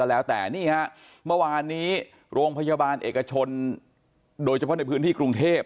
แล้วแต่นี่ฮะเมื่อวานนี้โรงพยาบาลเอกชนโดยเฉพาะในพื้นที่กรุงเทพ